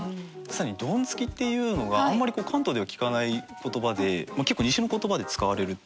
更に「ドンつき」っていうのがあんまり関東では聞かない言葉で結構西の言葉で使われるっていう。